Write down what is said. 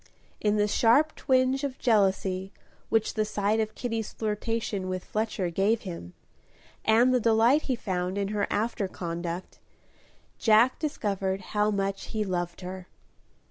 In the sharp twinge of jealousy which the sight of Kitty's flirtation with Fletcher gave him, and the delight he found in her after conduct, Jack discovered how much he loved her.